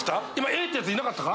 Ａってヤツいなかったか。